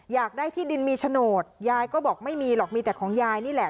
อยากได้ที่ดินมีโฉนดยายก็บอกไม่มีหรอกมีแต่ของยายนี่แหละ